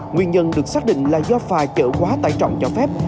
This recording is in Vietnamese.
nguyên nhân được xác định là do pha chở quá tài trọng cho phép